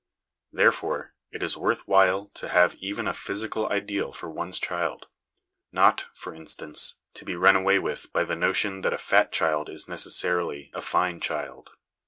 There fore, it is worth while to have even a physical ideal for one's child ; not, for instance, to be run away with by the notion that a fat child is necessarily a fine child.